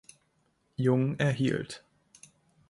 Jung erhielt.